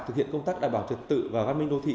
thực hiện công tác đảm bảo trật tự và văn minh đô thị